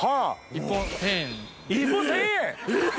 １本１０００円！え⁉